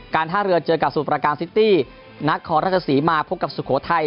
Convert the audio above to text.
การท่าเรือเจอกับซุปรากรามซิตี้นักขอรักษีมาพบกับสุโขทัย